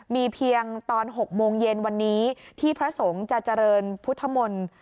มีเพียงตอน๖โมงเย็นวันนี้ที่พระสงฆ์จะเจริญพุทธมนต์